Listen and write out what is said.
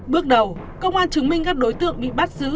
bước đầu công an chứng minh các đối tượng bị bắt giữ